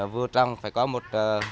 vô trong phải có một